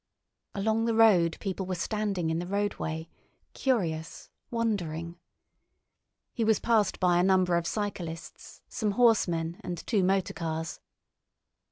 Along the road people were standing in the roadway, curious, wondering. He was passed by a number of cyclists, some horsemen, and two motor cars.